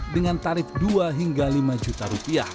dengan tarif dua hingga lima juta rupiah